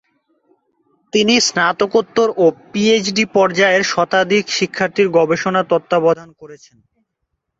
তিনি স্নাতকোত্তর ও পিএইচডি পর্যায়ের শতাধিক শিক্ষার্থীর গবেষণা তত্ত্বাবধান করেছেন।